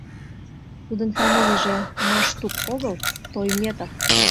Тудын фамилийже Маштук огыл, Тойметов.